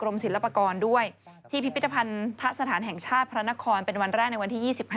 รมศิลปกรณ์ด้วยที่พิจารณาศาสตร์แห่งชาติพระนครเป็นวันแรกในวันที่๒๕